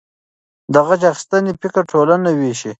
د غچ اخیستنې فکر ټولنه ویشي.